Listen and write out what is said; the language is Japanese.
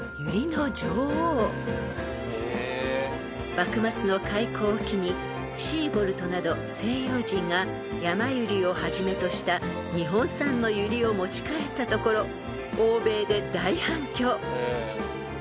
［幕末の開港を期にシーボルトなど西洋人がヤマユリをはじめとした日本産のユリを持ち帰ったところ欧米で大反響］